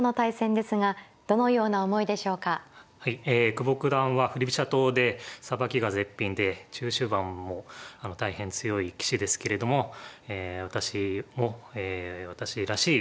久保九段は振り飛車党でさばきが絶品で中終盤も大変強い棋士ですけれどもえ私も私らしい